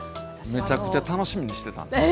めちゃくちゃ楽しみにしてたんですよ。